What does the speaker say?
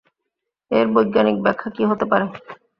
এর বৈজ্ঞানিক ব্যাখ্যা কী হতে পারে?